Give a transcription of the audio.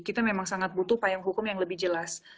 kita memang sangat butuh payung hukum yang lebih jelas